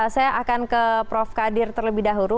saya akan ke prof kadir terlebih dahulu